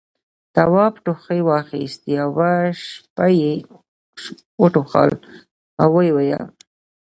تواب ټوخي واخيست، يوه شېبه يې وټوخل، ويې ويل: